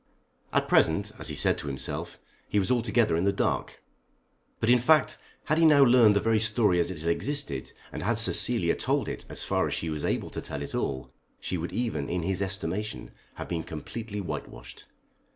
At present, as he said to himself, he was altogether in the dark. But in fact had he now learned the very story as it had existed, and had Cecilia told it as far as she was able to tell it all, she would even in his estimation have been completely white washed.